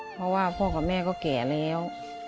เพราะว่าพ่อกับแม่ก็แก่แล้ว